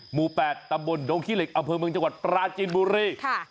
หมู่๘ตำบลดงขี้เหล็กอำเภอเมืองจังหวัดปราจีนบุรี